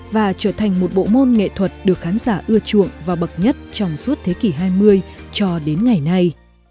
và trở thành một bộ môn nghệ thuật được khán giả ưa chuộng và bậc nhất trong suốt thế kỷ hai mươi cho đến ngày nay